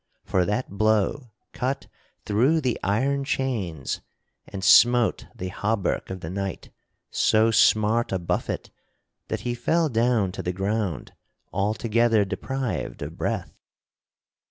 For that blow cut through the iron chains and smote the hauberk of the knight so smart a buffet that he fell down to the ground altogether deprived of breath.